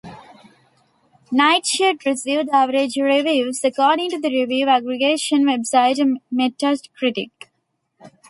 "Nightshade" received "average" reviews according to the review aggregation website Metacritic.